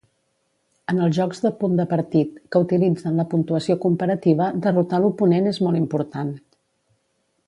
En els jocs de punt de partit, que utilitzen la puntuació comparativa, derrotar l'oponent és molt important.